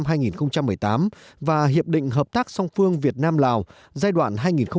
tổng bí thư đã đồng thông và hiệp định hợp tác song phương việt nam lào giai đoạn hai nghìn một mươi sáu hai nghìn hai mươi